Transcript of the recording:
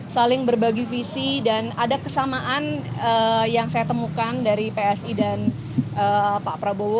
saling berbagi visi dan ada kesamaan yang saya temukan dari psi dan pak prabowo